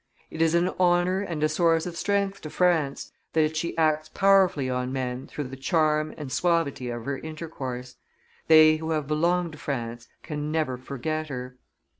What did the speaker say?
It is an honor and a source of strength to France that she acts powerfully on men through the charm and suavity of her intercourse; they who have belonged to France can never forget her.